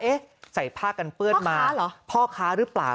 ใส่ผ้ากันเปื้อนมาพ่อค้าหรือเปล่า